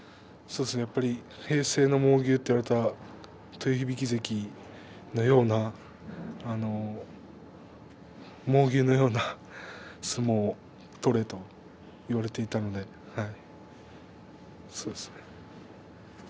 やっぱり平成の猛牛と言われた豊響関のような猛牛のような相撲を取れと言われていたのでそうですね。